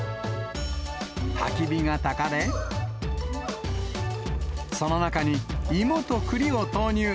たき火がたかれ、その中に芋とくりを投入。